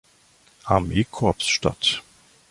Armee-Korps statt.